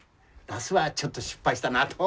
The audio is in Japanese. ナスはちょっと失敗したなと。